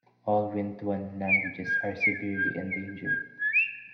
All Wintuan languages are severely endangered.